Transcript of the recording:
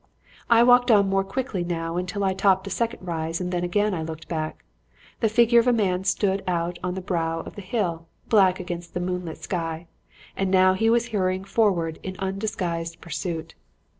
"I walked on more quickly now until I topped a second rise and then I again looked back. The figure of the man stood out on the brow of the hill, black against the moonlit sky. And now he was hurrying forward in undisguised pursuit.